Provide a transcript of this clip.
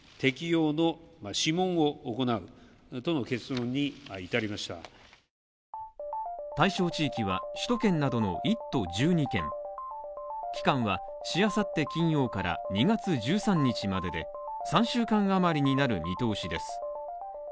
岸田総理は今夜対象地域は首都圏などの１都１２県期間は、明々後日金曜から２月１３日まで３週間余りになる見通しです。